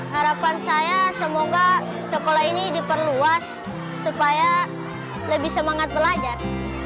harapan saya semoga sekolah ini diperluas supaya lebih semangat belajar